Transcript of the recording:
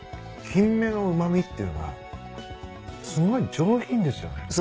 キンメのうま味っていうのはすごい上品ですよね。